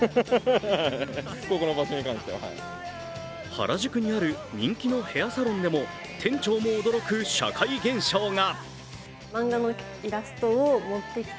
原宿にある人気のヘアサロンでも、店長も驚く社会現象が。